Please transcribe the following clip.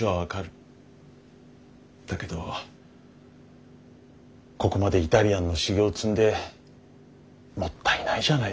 だけどここまでイタリアンの修業を積んでもったいないじゃないですか。